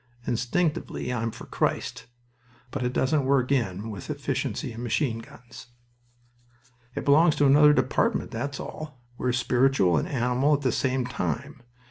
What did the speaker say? Instinctively I'm for Christ. But it doesn't work in with efficiency and machine guns." "It belongs to another department, that's all. We're spiritual and animal at the same time.